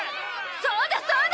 そうだそうだ！